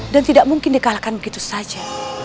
dan tidak mungkin dikalahkan begitu saja